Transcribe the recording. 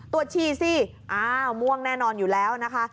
ชีสิอ้าวม่วงแน่นอนอยู่แล้วนะคะ